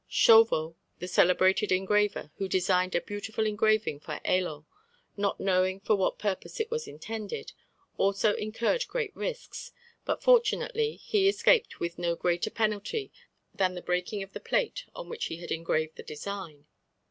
Chauveau, the celebrated engraver, who designed a beautiful engraving for Hélot, not knowing for what purpose it was intended, also incurred great risks, but fortunately he escaped with no greater penalty than the breaking of the plate on which he had engraved the design.